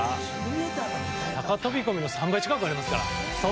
高飛込の３倍近くありますから。